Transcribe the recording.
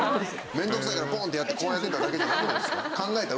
面倒くさいからボーンってやってこうやってただけじゃ。